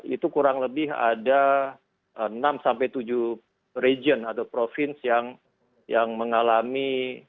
itu kurang lebih ada enam sampai tujuh region atau province yang mengalami